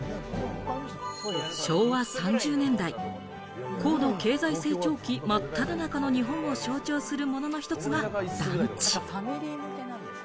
昭和３０年代、高度経済成長期まっただ中の日本を象徴するものの一つが団地。